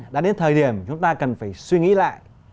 đã đến thời điểm chúng ta cần phải suy nghĩ lại